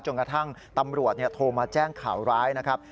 กระทั่งตำรวจโทรมาแจ้งข่าวร้ายนะครับ